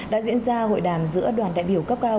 đã diễn ra hội đàm giữa đoàn đại biểu cấp cao